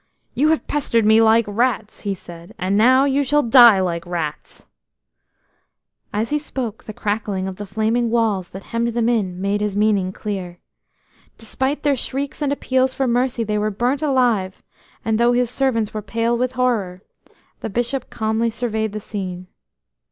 "You have pestered me like rats," he said, "and now you shall die like rats." As he spoke, the crackling of the flaming walls that hemmed them in made his meaning clear. Despite their shrieks and appeals for mercy they were burnt alive, and though his servants were pale with horror, the Bishop calmly surveyed the scene.